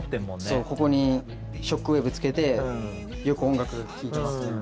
そうここにショックウェーブつけてよく音楽聴いてますね。